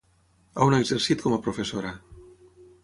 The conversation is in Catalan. On ha exercit com a professora?